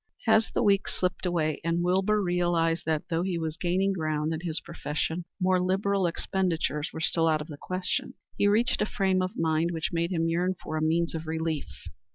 As the weeks slipped away and Wilbur realized that, though he was gaining ground in his profession, more liberal expenditures were still out of the question, he reached a frame of mind which made him yearn for a means of relief.